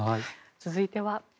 続いては。